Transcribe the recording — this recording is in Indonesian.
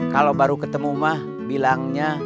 kalau baru ketemu mah bilangnya